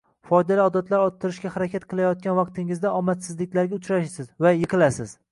foydali odatlar ottirishga harakat qilayotgan vaqtingizda omadsizliklarga uchraysiz va yiqilasiz